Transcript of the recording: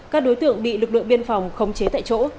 các đối tượng bị lực lượng biên phòng khống chế tại chỗ